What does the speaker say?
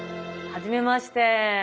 はじめまして。